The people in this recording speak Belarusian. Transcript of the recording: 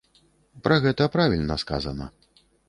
Пра гэта правільна сказана.